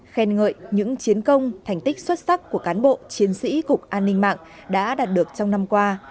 khen ngợi những chiến công thành tích xuất sắc của cán bộ chiến sĩ cục an ninh mạng đã đạt được trong năm qua